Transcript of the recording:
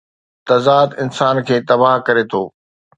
تضاد انسان کي تباهه ڪري ٿو.